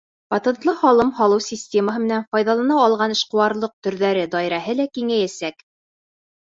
Патентлы һалым һалыу системаһы менән файҙалана алған эшҡыуарлыҡ төрҙәре даирәһе лә киңәйәсәк.